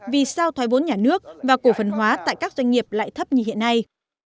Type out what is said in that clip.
vì sao thoái vốn nhà nước và cổ phần hóa tại các doanh nghiệp lại thấp như hiện nay